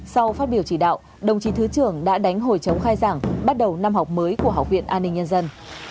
sau phát biểu chỉ đạo đồng chí thứ trưởng đã đánh hồi chống khai giảng bắt đầu năm học mới của học viện an ninh nhân dân